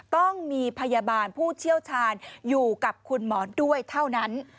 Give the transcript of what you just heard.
ต้องมีพยาบาลผู้เชี่ยวชาญอยู่กับคุณหมอด้วยเท่านั้น